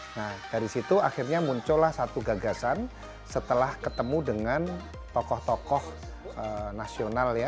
nah dari situ akhirnya muncullah satu gagasan setelah ketemu dengan tokoh tokoh nasional ya